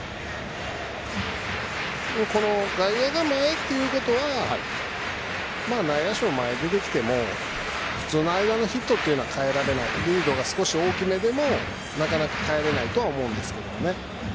外野が前ということは内野手も前に出てきても普通の、間のヒットならリードが少し大きめでもなかなかかえられないとは思いますけどね。